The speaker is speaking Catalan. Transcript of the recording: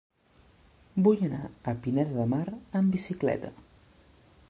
Vull anar a Pineda de Mar amb bicicleta.